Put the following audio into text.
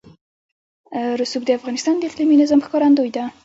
رسوب د افغانستان د اقلیمي نظام ښکارندوی ده.